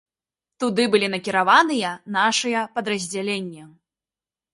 Туды былі накіраваныя нашыя падраздзяленні.